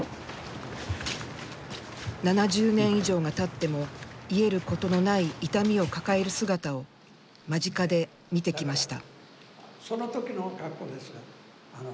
７０年以上がたっても癒えることのない痛みを抱える姿を間近で見てきました。